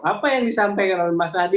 apa yang disampaikan oleh mas adi